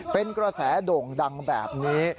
เป็นกระแสโด่งดังแบบนี้